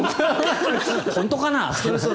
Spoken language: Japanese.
本当かな？